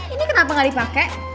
ini kenapa gak dipake